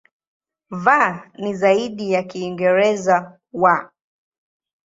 V ni zaidi ya Kiingereza "w".